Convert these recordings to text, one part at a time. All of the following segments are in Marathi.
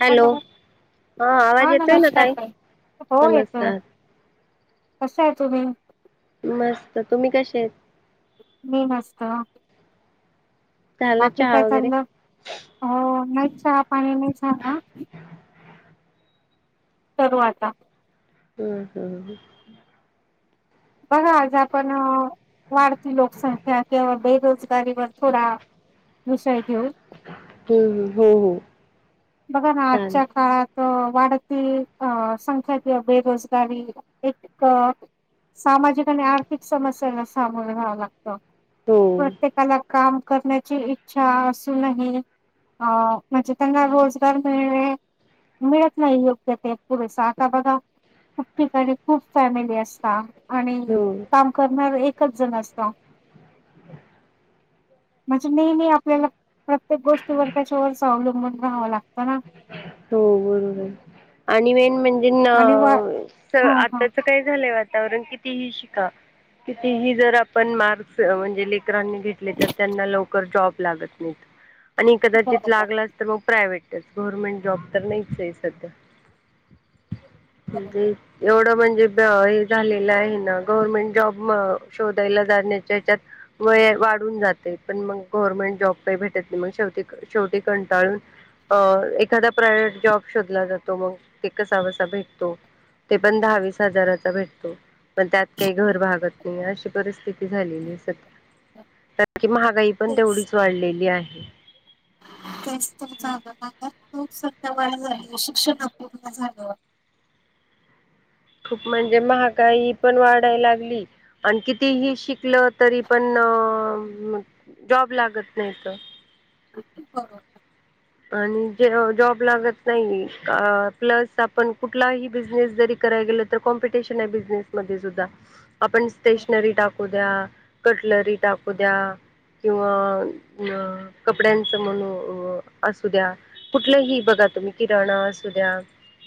हॅलो आवाज हा येतोय ना नमस्कार ताई स हो येतोय नमस्कार कश्या आहे तुम्ही मस्त तुम्ही कसे आहेत. मी मस्त झालं बाकी चहा काय वगैरे चाललं, हो नाहीच, चहा पाणी नाही झाला करू आता हं हं! बघा आज आपण वाढती लोकसंख्या तेव्हा बेरोजगारीवर थोडा विषय घेऊ हू हू हू! बघा ना आजच्या काळात त वाढती अ संख्या किंवा बेरोजगारी एक सामाजिक आणि आर्थिक समस्यांना सामोर जावं लागत हो प्रत्येकाला काम करण्याची इच्छा असूनही अ म्हणजे त्यांना रोज गार मिळणे मिळत नाही योग्य ते पुरेस, आत्ता बघा. खूप ठिकाणी खूप फॅमिली असता, आणि हो काम करणार एकच जण असत [inaudible] म्हणजे नेहमी आपल्याला प्रत्येक गोष्टीवर त्याच्यावर स्वावंबून राहावं लागत हो बरोबर आणि मेन म्हणजे आणि व जेनां हा हा आताच काय झालंय त्याच्यावरून कितीही शिका कितीही जर आपण मार्कस म्हणजे ले इतरांनी घतले तर त्यांना लवकर जॉब लागत नाहीत आणि कदाचित बरोबर लागलं तर मग प्रायव्हेट गव्हर्मेंट जॉब तर नाहीच आहे सध्या म्हणजे एवढं म्हण जे हे झालेलं आहे ना गव्हर्मेंट जॉब म शोधायला जाण्याच्या हच्यात वय वाढून जाते पण मग गव्हर्मेंट जॉब काही भेटत नाही मग शेवटी शेवटी कंटाळून हो एखादा प्रायव्हेट जॉब शोधला जातो मग ते कसा बसा भेटतो ते पण दहावीस हजाराचा भेटतो पण त्यात काही घर भागत नाही अशी परिस्थिती झालेय कार की महागाई पण तेच तेवढीच वाढलेली आहे. [inaudible] तेच तर झालं माहिती खूप संध्या वा झाली शिक्षणपूर्ण झालंवर [unintelligible] खूप म्हणजे महागाई पण वाढाय लागली आणि कितीही शिकल तरी पण अ, [inaudible] जॉब लागत नाही तर [inaudible] आणि जेव्हा जॉब लागत नाही का प्लस आपण कुठलाही बिजनेस जरी कर तर कॉम्पिटिशन आहे बिजनेस मध्ये सुध्दा आपण स्टेशनरी टाकूद्या कटलरी टाकू द्या किंवा म कपड्यांचे म्हणून असू द्या कुठलंही बघा तुम्ही किराणा असू द्या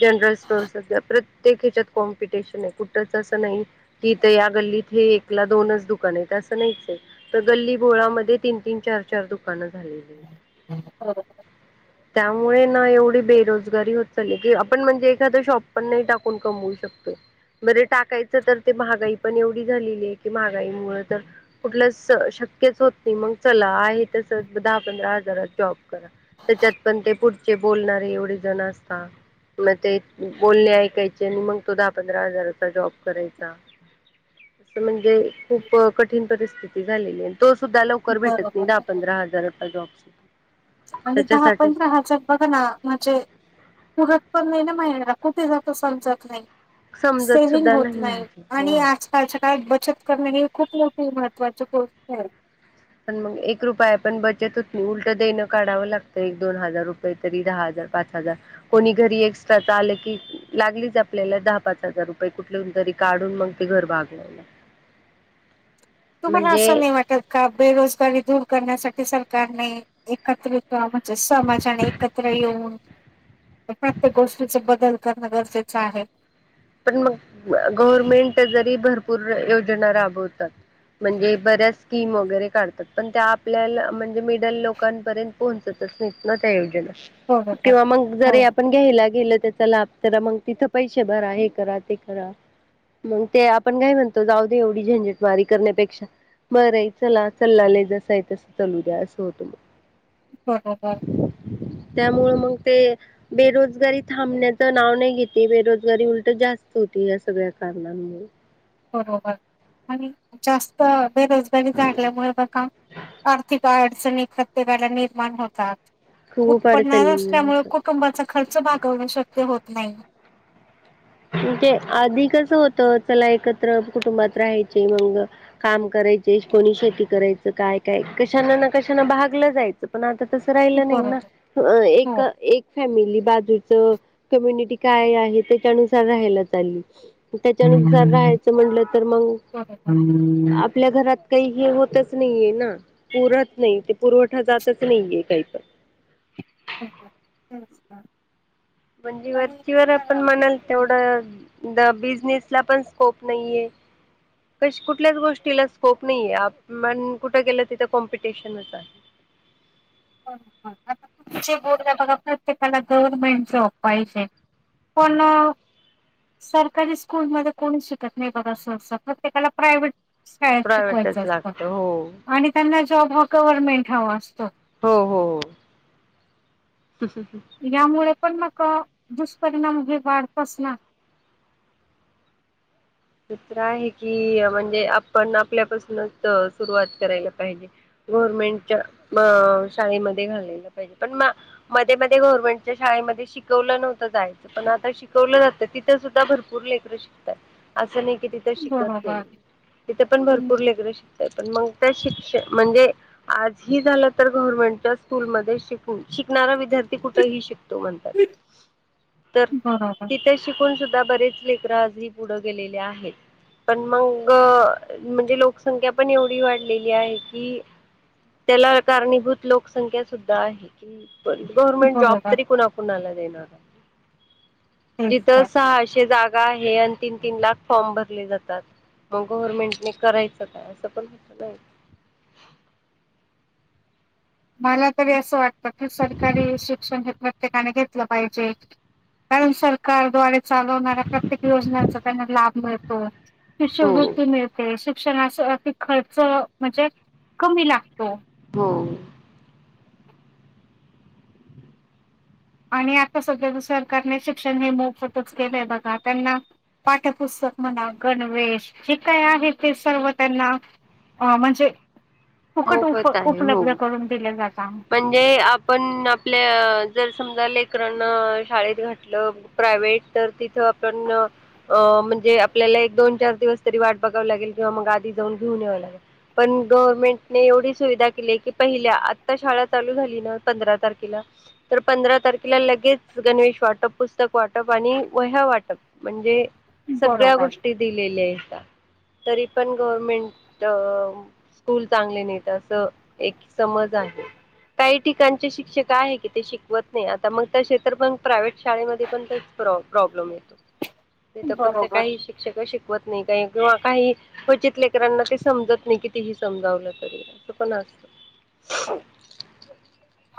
जनरल स्टोअर्या प्रत्येक हेच्यात कॉम्पिटिशन आहे कुठच असं नाही की इथ या गल्लीत एकला दोनच दुकान आहे असं नाहीच आहे तर गल्ली बोळामध्ये तीन तीन चार चार दुकान झालेली आहे त त्यामुळे ना एवढी बेरोजगारी होत चाली की आपण म्हणजे एखाद शॉप पण नाही टाकून कमवू शकत. [inaudible] बरे टाकायचं तर ते महागाई पण एवढी झालेली आहे की महागाई मुळ तर कुठलं लेच होत नाही मग चला आहे तस दहा पंधरा हजारात जॉब करा त्याच्यात पण ते पुढचे बोलणारे एवढे जण असतात. मग ते बोलणे ऐकायचे आणि मग तो दहा पंधरा हजाराचा जॉब करायचा. अस म्हणजे खूप कठीण परिस्थिती झालेली तो सुद्धा लवकर भेटत बरोबर नाही दहा बरोबर. पंधरा हजाराचा जॉब आणि दहा त्याच्यासाठीच पंधरा हजार बघा ना म्हणजे पण नाही ना महिणारला कुठे जात समजत नाही समजत सुद्धा सेविगं होत नाही म्हणजे आणि होय. आजकालच्या काळात बचत करणे हे खूप मोठ खुप महत्त्वाच्या गोष्टी आहेत. पण मग एक रुपया पण बचत होत नाही उलट देणं काढावं लागतं एक दोन हजार रुपये तरी दहा हजार पाच हजार कोणी घरी एकस्ट्राच आल कि लागलीच आपल्याला दहा पाच हजार रुपये कुठल तरी काढून मग ते घर भाग तुमला असं नाही वाटत का बेरोज गारी दूर करण्यासाठी सरकारने एकत्रित म्हणजे समाजाने एकत्र येऊन प्रत्येक गोष्टीचे बदल करणं गरजेचं आहे. पण मग गव्हरमेंट जरी भरपूर योजना राबवतात. म्हणजे बऱ्याच स्कीम वगैरे काढतात पण त्या आपल्याला म्हणजे मिडल लोकांपर्यंत पोहचत तसेच ना त्या योजना बरोबर. किंवा मग हो जरी आपण घ्यायला गेल त्याचा लाभ तर मग तिथं पैसे भरा आहे करा ते करा मग ते आपण काय म्हणतो जाऊ दे एवढी झंझटमारी करण्यापेक्षा बरं चला चालेले जसं आहे तसं चलू द्या असं होतं मगं. [inaudible] त्यामुळे मग ते बेरोजगारी थांबण्याचं नाव नाही घेते बेरोजगारी उल तर जास्त होती या सगळ्या कारणमुळे बरोबर आणि जास्तं. बेरोजगारी झाल्यामुळे बघ आर्थिक अडचणी प्रतेकाला निर्माण होतात. खूप उत्पन्न अडचणी नसल्यामुळे येतात. कुटुंबाचा खर्च भागवण शक्य होत नाही. म्हणजे अधिकच होत चला एकत्र कुटुंबात राहायचे मग काम कराय - कोणी शेती करायचं काय काय कशा ना कशना भागलं जायचं पण आता. तस राहिलं नाही ना बरोबर हो एक फॅमिली बाजू- कम्यनिटी काय आहे त्याच्यानुसार राहायला चालली. त्याच्यानुसार राहायचं म्हटलं तर मग बरोबर. आपल्या घरात- काही हे होतच नाहीये ना पुरत नाही ते पुरवठा जातच नाहीये काही तर- [inaudible] म्हणजे आणि वरचीवर जरा आपण म्हणाल हं, तेवढं. द बिझनेस ला पण स्कोप नाहीये. क कुठल्याच गोष्टीला स्कोप नाहीय कुठं गेलं तिथं कॉम्पिटिशनच आहे. बरोबर. त्याला गव्हर्न्मेंट जॉब पाहिजे पण. सरकारी स्कूलमध्ये कोणी शिकतं नाही बघा. सरसकट प्रत्येकाला प्रायव्हेट. शाळेत शिकवायच प्रायव्हेटच असत लागतं हो आणि त्यांना जॉब हा गव्हर्नमेंट हवा असतो. हो हो हो. यामुळे पण मग दुष्परिणाम हे वाढतच ना. दूसर आहे कि म्हणजे आपण आपल्यापासूनच सुरुवात करायला पाहिजे. गव्हर्मेंटच्या शाळेमध्ये घालेलं पाहिजे पण मध्ये मध्ये गव्हर्मेंटच्या श- शाळेमधे शिकवल नव्हत जायचं पण आता शिकवलं जात तिथे सुद्धा भरपूर लेकर शिकतात. असं नाही की तिथं शिकत नाही बरोबर तिथं पण हं. भरपूर लेकर शिकतात. मग त्या शिक्ष म्हणजे आज झालं तर गव्हर्मेंटच्या स्कूलमध्ये श- [unintelligible] कुठही शिकतो म्हणतात तर बरोबर तिथे शिकून तिथ बरेच लेकरं आजही पुढे गेलेले आहेत. पण मग म्हणजे लोकसंख्या पण एवढी वाढलेली आहे की- त्याला कारणीभूत लोकसंख्या सुद्धा आहे की गव्हर्नमेंट जॉब बरोबर तरी कुणा कुणाला देणार. तेच जिथं तर सहाशे जागा आहे आणि तीन तीन लाख फॉर्म भरले जातात. मग गव्हर्मेंटने करायचं काय असं पण होत नाही. [inaudible] मला तरी असं वाटत की सरकारी शिक्षण घेत ठिकाणी घेतलं पाहिजे कारण सरकारद्वारे- चालवणार्या प्रत्येक योजनांचा त्यांना लाभ मिळतो. हो शिष्यवृत्ती मिळते. शिक्षणास [unintelligible] खर्च म्हणजे कमी लागतो. हो. आणि आता सगळ सरकारने शिक्षण हे मोफतच केलंय बघा त्यांना पाठपुस्तक- म्हणा गणवेश जे काय आहे ते सर्व त्यांना अ म्हणजे. फुकट उप मोफत आहे हो. उपलब्ध करून दिले जातात. म्हणजे आपण आपल्या जरं समजा लेक- शाळेत घातले प्रायव्हेट तर तिथं आपण म्हणजे आपल्या- एक दोन चार दिवस तरी वाट बघववी लागेल किंवा मग आधी जाऊ घेऊन यावं लागेल. पण गव्हर्नमेंटने एवढी सुविधा केली की पहिल्या - आता शाळा चालू झाली ना पंधरा तारखेला तर पंधरा तारखेला लगेच गणवेश वाटप पुस्तक- वाटप आणि वह्या वाटप म्हणजे सगळ्या बरोबर गोष्टी दिलेल्या आहेत. [unintelligible] तरी पण गव्हर्मेंट स्कूल चांगले नाहीत असं एक समज आहे काही ठिकाणचे शिक्षक आहे की ते शिकवत नाही आता मग तसे तर पण प्रायव्हेट शाळेमध्ये पण तोच प्रॉब्लेम येतोय पण ते बरोबर काही शिक्षक शिकवत नाही काही किंवा काही क्वचितलेकरांना ते समजत नाही कितीही समजावलं तरी असं पण असतं [unintelligible]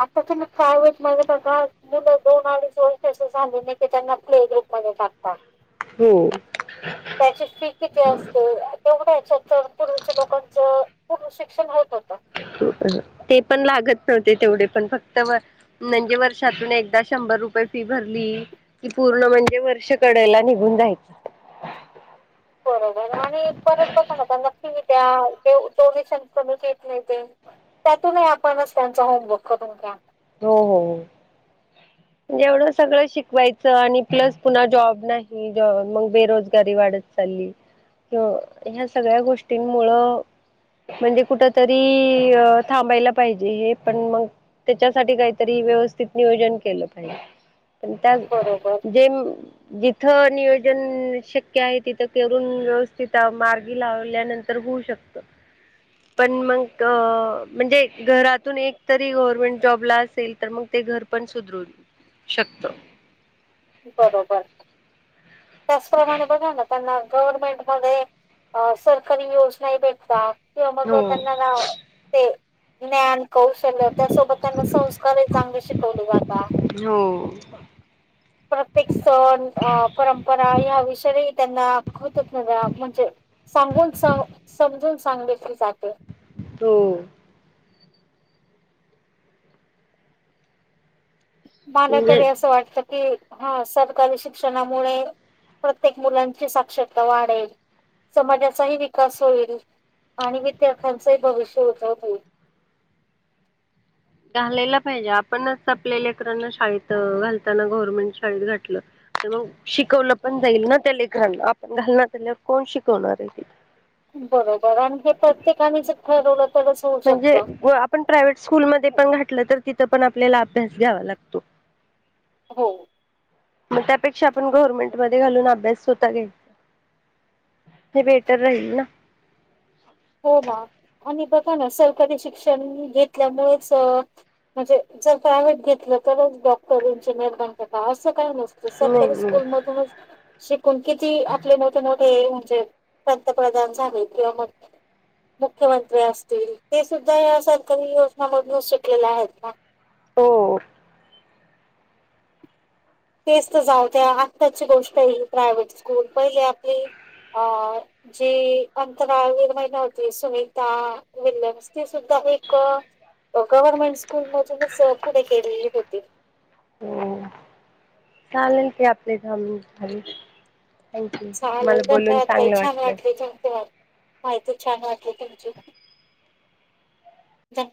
आता प्रायव्हेट मध्ये बघा मुलं दोन अडीच वर्षांची झाली नाही कि त्यांना प्ले ग्रुप मध्ये त्याची फी किती असते तेवढे पूर्वीच्या लोकांच पूर्ण शिक्षण होत होतं. ते पण लागत न ते तेवढे पण फक्त म्हणजे वर्षातून एकदा शंभर रुपये फी भरली की पूर्ण म्हणजे वर्ष कडेला निघून जायचं बरोबर आणि परत बघा ना फी त्या डोनेशन नाही त्यातूनही आपणच त्यांचा होमवर्क करून घ्या हो हो हो एवढं सगळं शिकवायचं आणि प्लस पुन्हा जॉब नाही जॉ मग बेरोजगारी वाढत चाललीं ह्या सगळ्या गोष्टींमुळं म्हणजे कुठं तरी अ थांबायला पाहिजे हे पण मग त्याच्यासाठी काहीतरी व्यवस्थित नियोजन केलं पण त्या बरोबर जे जिथं नियोजन शक्य आहे तिथं करून व्यवस्थित मार्गी लावल्यानंतर होऊ शकतं पण मग म्हणजे घरातून एक तरी गव्हर्मेंट जॉबला असेल तर मग घर पण सुधरू शकतं बरोबर त्याचप्रमाणे बघा ना त्यांना गव्हर्मेंटमध्ये सरकारी योजना भेटतात किं मग हो त्यांना ना ते ज्ञान कौशल्य त्यासोबत त्यांना संस्कारही चांगले शिकवले जातात हो प्रत्येक सण अ परंपरा ह्या विषयही त्यांना होतात ना म्हणजे सांगून स समजून सांगितली जाते हो मला म्हणजे तरी असं वाटतं कि हा सरकारी शिक्षणामुळे प्रत्येक मुलांची साक्षरता वाढेल समाजाचाही विकास होईल आणि विद्यार्थ्यांचंही भविष्य उजव घालेला पाहिजे आपणच आपल्या लेकरांना शाळेत घालताना गव्हर्मेंट शाळेत घातलं तर मग शिकवलं पण जाईल ना त्या लेकरांना आपण घालणा झाल्यावर कोण शिकवणार आहे तिथं बरोबर आणि हे प्रत्येकानेच ठरवलं तरच होऊ म्हणजे शकतं. आपण प्रायव्हेट स्कूलमध्ये पण घातलं तर तिथं पण आपल्याला अभ्यास घ्यावा लागतो हो मग त्यापेक्षा आपण गव्हर्मेंट मध्ये घालून अभ्यास स्वतः घ्या ते बेटर राहील ना हो ना आणि बघा ना सरकारी शिक्षण घेतल्यामुळेच म्हणजे जर प्रायव्हेट घेतलं तरच डॉक्टर इंजिनिअर बनतं का असं काही नाही सरकारी स्कूल मधूनच शिकून किती आपले मोठे मोठे म्हणजे पंतप्रधान झाले किंवा मग मुख्यमंत्री असतील ते सुद्धा या सरकारी योजनामधून शिकलेले आहेत का हो तेच तर जाऊद्या, आत्ताची गोष्ट ही प्रायव्हेट स्कूल, पहिले आपली अ जी अंतराळवीर महिना होती सुनीता विल्यम्स ती सुद्धा एक गव्हर्मेंट स्कूल मधूनच पुढे गेलेली होती. हम् चालेल की आपल्या इथे अमृत थाळी चालेल धन्यवाद ताई, छान वाटलं वाटले तुमच्याबरोबर. माहती छान वाटली तुमची धन